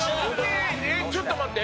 えっちょっと待って。